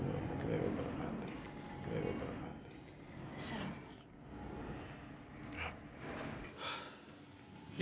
assalamualaikum warahmatullahi wabarakatuh